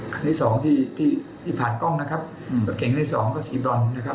คันที่๒ที่ผ่านกล้องนะครับเก๋งที่๒ก็๔บอลนะครับ